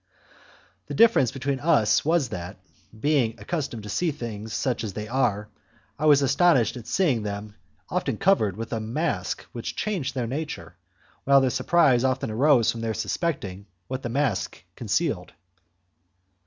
The difference between us was that, being accustomed to see things such as they are, I was astonished at seeing them often covered with a mask which changed their nature, while their surprise often arose from their suspecting what the mask concealed.